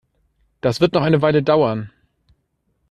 Das wird noch eine Weile dauern.